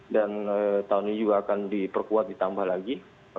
dan tahun ini juga akan diperkuat ditambah lagi